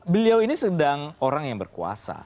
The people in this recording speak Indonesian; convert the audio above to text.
beliau ini sedang orang yang berkuasa